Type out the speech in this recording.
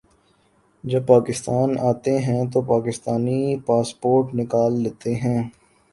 جب پاکستان آتے ہیں تو پاکستانی پاسپورٹ نکال لیتے ہیں